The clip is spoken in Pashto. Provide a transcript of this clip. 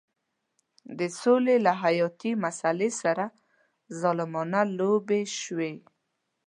د سولې له حیاتي مسلې سره ظالمانه لوبې شوې.